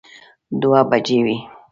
دوه بجې وې.